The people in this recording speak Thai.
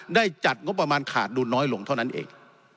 ได้จัดงบประมาณขาดดุลน้อยลงเท่านั้นเอง